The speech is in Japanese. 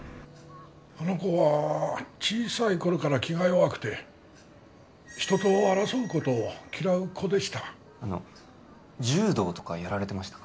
あの子は小さい頃から気が弱くて人と争うことを嫌う子でしたあの柔道とかやられてました？